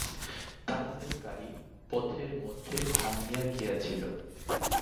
তাহাদের গাড়ি পথের মধ্যে ভাঙিয়া গিয়াছিল।